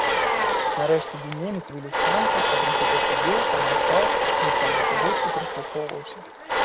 Нарэшце адзін немец вылез з танка, а другі пасядзеў, памаўчаў, быццам да чагосьці прыслухоўваўся.